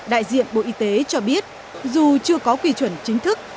đại diện bộ y tế cho biết dù chưa có quy chuẩn chính thức